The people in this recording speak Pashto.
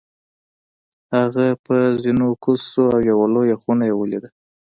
هغه په زینو کوز شو او یوه لویه خونه یې ولیده.